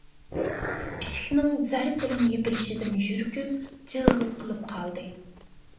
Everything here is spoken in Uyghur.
ئىشىكنىڭ زەرب بىلەن يېپىلىشىدىن يۈرىكىم ‹ ‹جىغ› › قىلىپ قالدى.